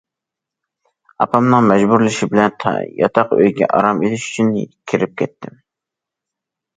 ئاپامنىڭ مەجبۇرلىشى بىلەن ياتاق ئۆيگە ئارام ئېلىش ئۈچۈن كىرىپ كەتتىم.